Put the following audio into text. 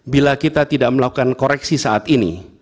bila kita tidak melakukan koreksi saat ini